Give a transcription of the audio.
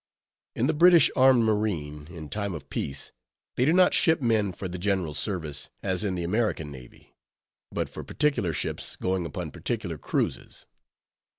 In the British armed marine, in time of peace, they do not ship men for the general service, as in the American navy; but for particular ships, going upon particular cruises.